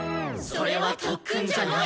それは特訓じゃない！